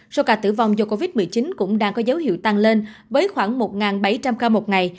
số ca tử vong do covid một mươi chín cũng đang có dấu hiệu tăng lên với khoảng một bảy trăm linh ca một ngày